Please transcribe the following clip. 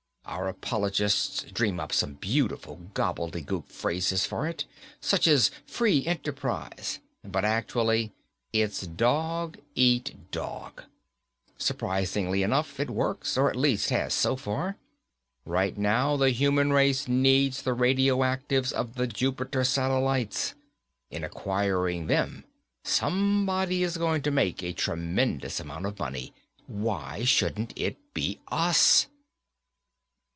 Our apologists dream up some beautiful gobbledygook phrases for it, such as free enterprise, but actually it's dog eat dog. Surprisingly enough, it works, or at least has so far. Right now, the human race needs the radioactives of the Jupiter satellites. In acquiring them, somebody is going to make a tremendous amount of money. Why shouldn't it be us?"